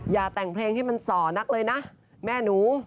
อย่าแต่งเพลงให้มันส่อนักเลยนะแม่หนู